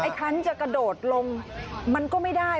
ครั้งจะกระโดดลงมันก็ไม่ได้